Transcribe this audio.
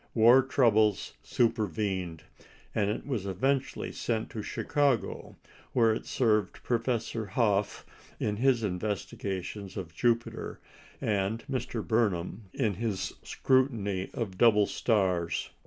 War troubles supervened, and it was eventually sent to Chicago, where it served Professor Hough in his investigations of Jupiter, and Mr. Burnham in his scrutiny of double stars.